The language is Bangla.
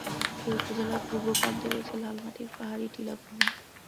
এ উপজেলার পূর্বপ্রান্তে রয়েছে লাল মাটির পাহাড়ী টিলা ভূমি।